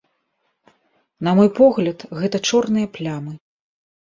На мой погляд, гэта чорныя плямы.